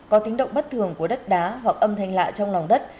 có tính động bất thường của đất đá hoặc âm thanh lạ trong lòng đất